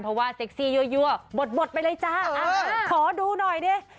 เพราะว่าเซ็กซีเยอะบดไปเลยจ้ะเออขอดูหน่อยนี่